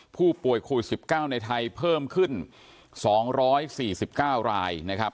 ผู้ป่วยโควิด๑๙ในไทยเพิ่มขึ้น๒๔๙รายนะครับ